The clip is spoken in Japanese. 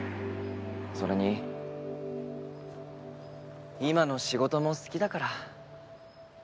それに今の仕事も好きだから。